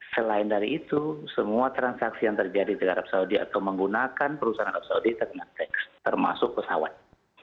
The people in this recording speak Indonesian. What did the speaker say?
selain dari itu semua transaksi yang terjadi di arab saudi atau menggunakan perusahaan arab saudi terkena teks termasuk pesawat